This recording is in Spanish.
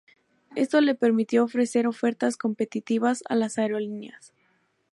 Esto le permitió ofrecer ofertas competitivas a las aerolíneas.